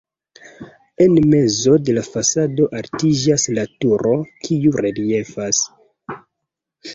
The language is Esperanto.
En mezo de la fasado altiĝas la turo, kiu reliefas.